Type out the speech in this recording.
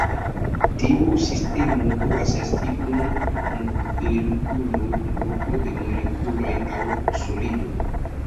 Tiu sistemo povas esti unu molekulo, grupo de molekuloj aŭ solido.